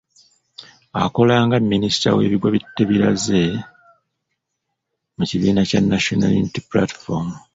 Akola nga Minisita w'ebigwabitalaze mu kibiina kya National Unity Platform.